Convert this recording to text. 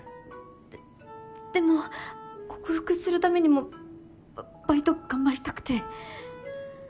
ででも克服するためにもバイト頑張りたくて。